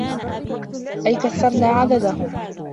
أَيْ كَثَّرْنَا عَدَدَهُمْ